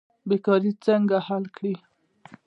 بیکاري څنګه حل کړو؟